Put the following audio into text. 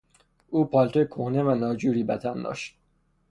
او پالتو کهنه و ناجوری بتن داشت.